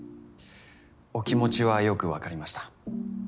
お気持ちはよくわかりました。